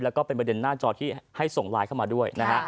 แล้วก็เป็นประเด็นหน้าจอที่ให้ส่งไลน์เข้ามาด้วยนะฮะ